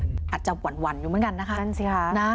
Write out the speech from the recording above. อาจจะหวั่นอยู่เหมือนกันนะคะ